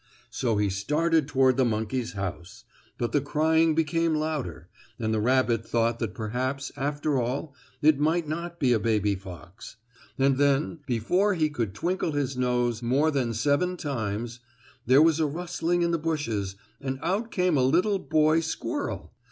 So he started toward the monkey's house, but the crying became louder, and the rabbit thought that perhaps, after all, it might not be a baby fox. And then, before he could twinkle his nose more than seven times, there was a rustling in the bushes, and out came a little boy squirrel.